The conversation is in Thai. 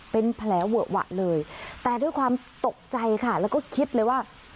เป็นแผลเวอะหวะเลยแต่ด้วยความตกใจค่ะแล้วก็คิดเลยว่า